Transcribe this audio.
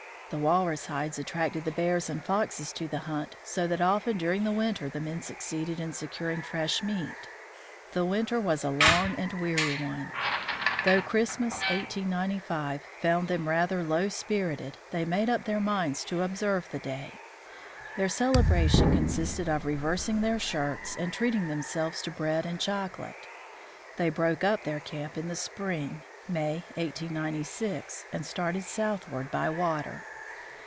The walrus hides attracted the bears and foxes to the hut, so that often during the winter the men succeeded in securing fresh meat. The winter was a long and weary one. Though Christ mas, 1895, found them rather low spirited, they made up their minds to observe the day. Their celebration consisted of reversing their shirts, and treating themselves to bread and chocolate. They broke up their camp in the spring (May, 1896), and started southward by water.